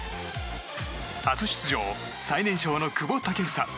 初出場、最年少の久保建英。